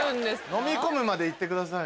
のみ込むまでいってください。